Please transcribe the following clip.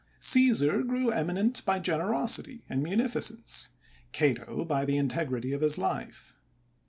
Ceesar grew eminent by generosity and munificence; Cato by the integrity of his life.